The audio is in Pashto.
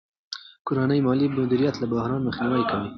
کورنی مالي مدیریت له بحران مخنیوی کوي.